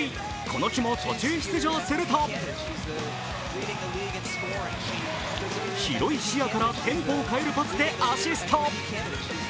この日も途中出場すると広い視野からテンポを変えるパスでアシスト。